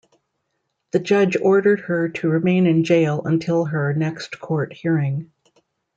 The judge ordered her to remain in jail until her next court hearing.